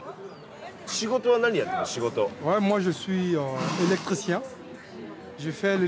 仕事は何やってるの？